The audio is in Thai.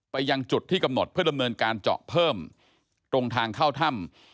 ยังจุดที่กำหนดเพื่อดำเนินการเจาะเพิ่มตรงทางเข้าถ้ำ